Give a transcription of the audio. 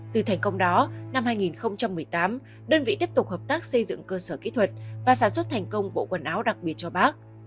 từ thành công đó năm hai nghìn một mươi tám đơn vị tiếp tục hợp tác xây dựng cơ sở kỹ thuật và sản xuất thành công bộ quần áo đặc biệt cho bác